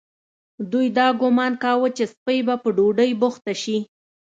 دوی دا ګومان کاوه چې سپۍ به په ډوډۍ بوخته شي.